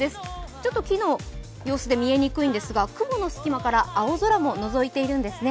ちょっと木の様子で見えにくいんですが雲の隙間から青空ものぞいているんですね。